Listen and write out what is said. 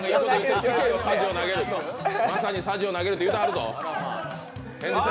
まさに、さじを投げるって言うてはるぞ。